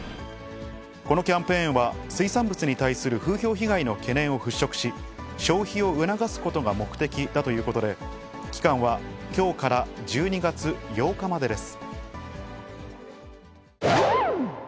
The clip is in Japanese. このキャンペーンは、水産物に対する風評被害の懸念を払拭し、消費を促すことが目的だということで、期間はきょうから１２月８日までです。